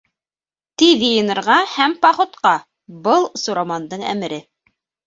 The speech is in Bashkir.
— Тиҙ йыйынырға һәм походҡа! - был Сурамандың әмере.